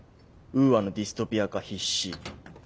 ウーアのディストピア化必至。